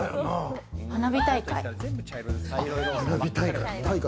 花火大会。